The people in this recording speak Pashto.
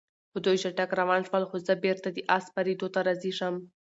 خو دوی چټک روان شول، څو زه بېرته د آس سپرېدو ته راضي شم.